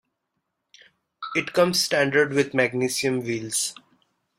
It comes standard with magnesium wheels.